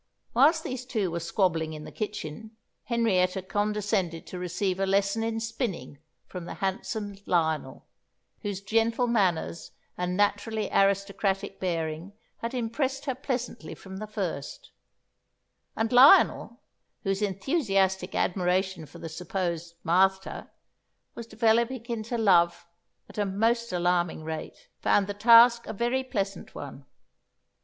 Whilst these two were squabbling in the kitchen, Henrietta condescended to receive a lesson in spinning from the handsome Lionel, whose gentle manners and naturally aristocratic bearing had impressed her pleasantly from the first; and Lionel, whose enthusiastic admiration for the supposed "Martha" was developing into love at a most alarming rate, found the task a very pleasant one.